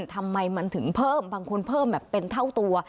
ทำไมมันถึงเพิ่มบางคนเพิ่มแบบเป็นเท่าตัว